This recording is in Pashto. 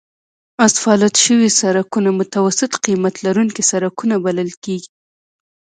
اسفالت شوي سړکونه متوسط قیمت لرونکي سړکونه بلل کیږي